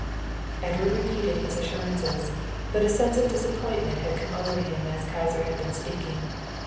Edward repeated his assurances, but a sense of disappointment had come over him as Kyser had been speaking.